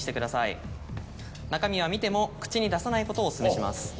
中身は見ても口に出さないことをお勧めします。